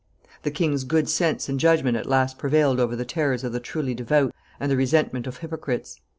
The king's good sense and judgment at last prevailed over the terrors of the truly devout and the resentment of hypocrites.